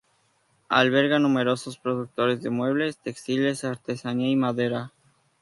Alberga numerosos productores de muebles, textiles, artesanía y madera.